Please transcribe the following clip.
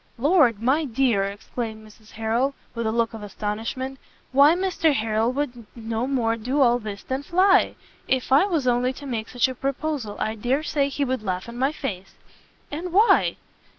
"Lord, my dear!" exclaimed Mrs Harrel, with a look of astonishment, "why Mr Harrel would no more do all this than fly! If I was only to make such a proposal, I dare say he would laugh in my face." "And why?"